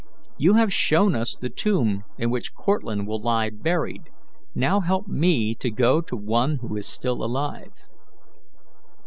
You have shown us the tomb in which Cortlandt will lie buried; now help me to go to one who is still alive."